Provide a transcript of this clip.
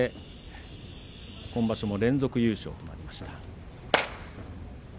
今場所も連続優勝になりました。